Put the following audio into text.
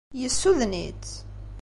Yessuden-itt.